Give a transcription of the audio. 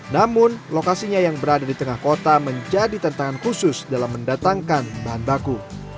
namun lokasinya yang berada di tengah kota menjadi tantangan khusus dalam mendatangkan bahan baku